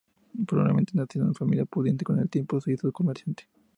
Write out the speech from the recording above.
Probablemente nacido de familia pudiente, con el tiempo se hizo comerciante.